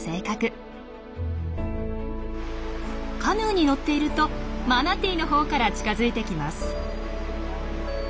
カヌーに乗っているとマナティーのほうから近づいてきます。